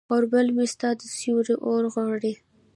اوربل مې ستا د سیوري اورغواړي